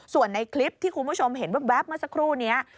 ส่วนในคลิปที่คุณผู้ชมเห็นแว๊บเมื่อสักครู่นี้